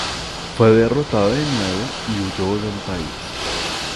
Fue derrotado de nuevo, y huyó del país.